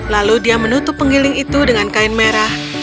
lalu dia menutup penggiling itu dengan kain merah